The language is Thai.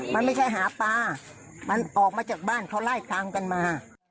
มันไม่ใช่หาปลามันออกมาจากบ้านเขาไล่ตามกันมา